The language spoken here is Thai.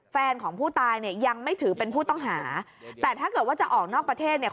แฟนของผู้ตายเนี่ยยังไม่ถือเป็นผู้ต้องหาแต่ถ้าเกิดว่าจะออกนอกประเทศเนี่ย